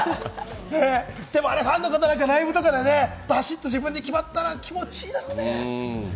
ファンの方なんかライブとかでね、バシッと自分に決まったら気持ち良いだろうね。